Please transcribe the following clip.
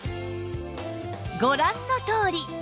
ご覧のとおり！